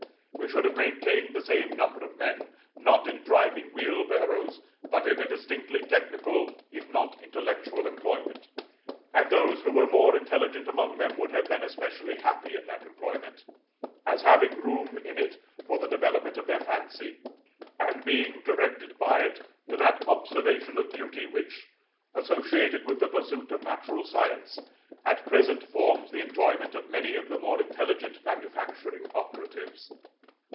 We should have maintained the same number of men, not in driving wheelbarrows, but in a distinctly technical, if not intellectual, employment, and those who were more intelligent among them would have been especially happy in that employment, as having room in it for the developement of their fancy, and being directed by it to that observation of beauty which, associated with the pursuit of natural science, at present forms the enjoyment of many of the more intelligent manufacturing operatives.